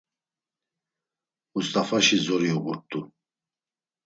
Must̆afaşi zori uğurt̆u.